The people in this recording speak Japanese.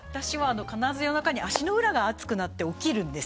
必ず夜中に足の裏が暑くなって起きるんです。